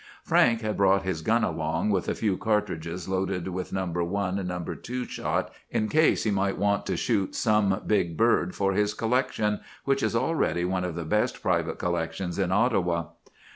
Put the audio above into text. Frank had brought his gun along, with a few cartridges loaded with number one and number two shot, in case he might want to shoot some big bird for his collection, which is already one of the best private collections in Ottawa.